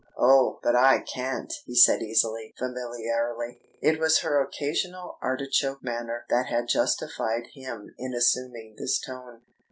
"Oh, but I can't!" he said easily, familiarly. It was her occasional "artichoke" manner that had justified him in assuming this tone.